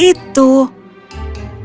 itu enak untuk dipeluk